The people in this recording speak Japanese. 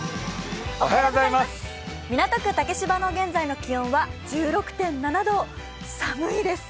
港区竹芝の現在の気温は１６．７度、寒いです。